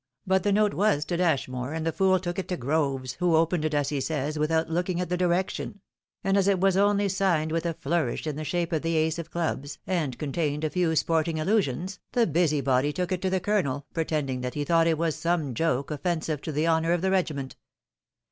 But the note was to Dashmore, and the fool took it to Groves, who opened it, as he says, without looking at the direction ; and as it was only signed with a flourish in the shape of the ace of clubs and contained a few sporting allusions, the busybody took it to the colonel, pretending that he thought it was some joke offensive to the honour of the regiment.